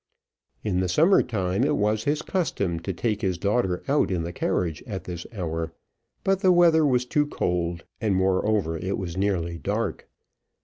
In the summer time it was his custom to take his daughter out in the carriage at this hour, but the weather was too cold, and, moreover, it was nearly dark.